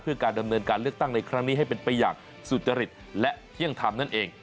เพื่อการดำเนินการเลือกตั้งในครั้งนี้ให้เป็นไปอย่างสุจริตและเที่ยงธรรมนั่นเอง